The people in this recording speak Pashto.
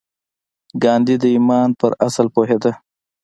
ګاندي د ايمان پر اصل پوهېده.